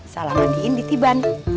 salah mandiin di tibak